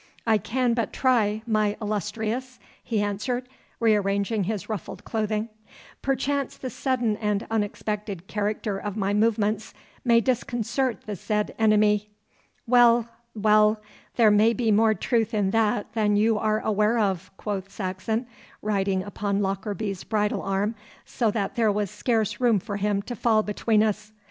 'I can but try, my illustrious,' he answered, rearranging his ruffled clothing. 'Perchance the sudden and unexpected character of my movements may disconcert the said enemy.' 'Well, well, there may be more truth in that than you are aware of,' quoth Saxon, riding upon Lockarby's bridle arm, so that there was scarce room for him to fall between us.